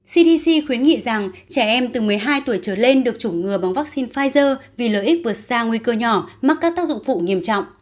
cdc khuyến nghị rằng trẻ em từ một mươi hai tuổi trở lên được chủng ngừa bằng vaccine pfizer vì lợi ích vượt xa nguy cơ nhỏ mắc các tác dụng phụ nghiêm trọng